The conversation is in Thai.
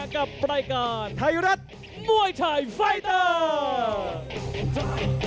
กับรายการไทยรัฐมวยไทยไฟเตอร์